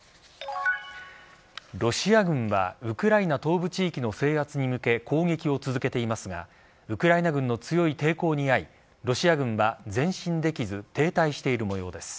ロシア軍はウクライナ東部地域の制圧に向け攻撃を続けていますがウクライナ軍の強い抵抗に遭いロシア軍は前進できず停滞しているもようです。